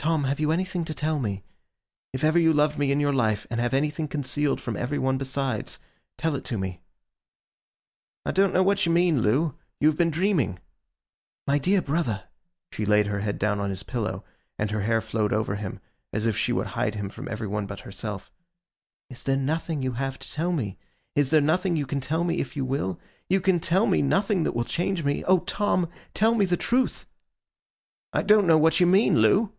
'Tom, have you anything to tell me? If ever you loved me in your life, and have anything concealed from every one besides, tell it to me.' 'I don't know what you mean, Loo. You have been dreaming.' 'My dear brother:' she laid her head down on his pillow, and her hair flowed over him as if she would hide him from every one but herself: 'is there nothing that you have to tell me? Is there nothing you can tell me if you will? You can tell me nothing that will change me. O Tom, tell me the truth!' 'I don't know what you mean, Loo!